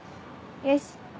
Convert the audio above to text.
よし。